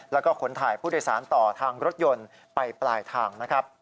และขนถ่ายผู้โดยสารต่อทางรถยนต์ไปปลายทาง